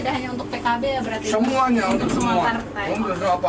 semuanya untuk semua